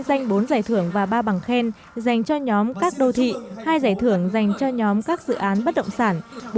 một giải thưởng dành cho nhóm các đô thị hai giải thưởng dành cho nhóm các dự án bất động sản